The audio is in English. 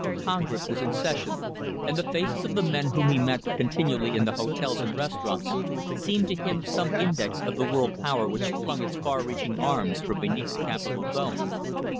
Congress was in session, and the faces of the men whom he met continually in the hotels and restaurants seemed to him some index of the world power which flung its far reaching arms from beneath the Capitol dome.